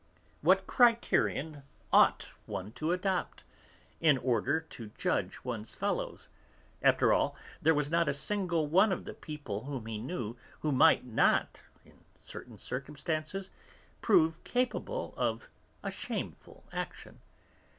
What criterion ought one to adopt, in order to judge one's fellows? After all, there was not a single one of the people whom he knew who might not, in certain circumstances, prove capable of a shameful action.